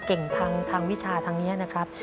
เก่งทางวิชาทางนี้นะครับ